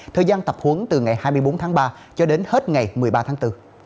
thời gian tập huấn từ ngày hai mươi bốn tháng ba cho đến hết ngày một mươi ba tháng bốn